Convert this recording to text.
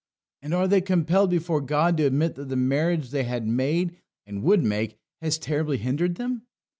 And are they compelled before God to admit that the marriage they have made, and would make, has terribly hindered them?